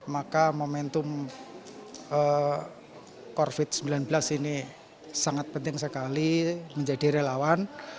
maka momentum covid sembilan belas ini sangat penting sekali menjadi relawan